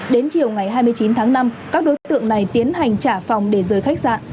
đến chiều ngày hai mươi chín tháng năm các đối tượng này tiến hành trả phòng để rời khách sạn